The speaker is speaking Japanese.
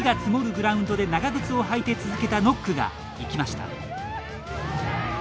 グラウンドで長靴を履いて続けたノックが生きました。